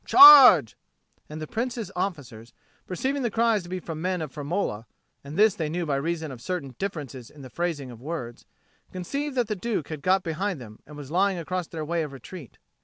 Charge!" And the Prince's officers, perceiving the cries to be from men of Firmola (and this they knew by reason of certain differences in the phrasing of words), conceived that the Duke had got behind them, and was lying across their way of retreat.